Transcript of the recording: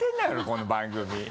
この番組。